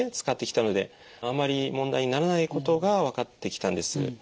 使ってきたのであんまり問題にならないことが分かってきたんです。